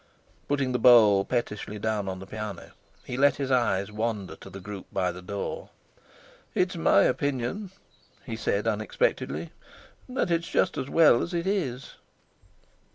Putting the bowl pettishly down on the piano, he let his eyes wander to the group by the door. "It's my opinion," he said unexpectedly, "that it's just as well as it is."